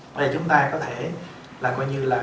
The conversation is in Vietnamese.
bây giờ chúng ta có thể là coi như là